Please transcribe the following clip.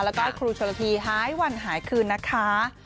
แล้วก็ให้ครูชนละทีหายวันหายคืนนะคะ